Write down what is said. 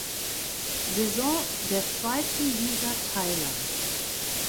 Saison der zweiten Liga Thailands.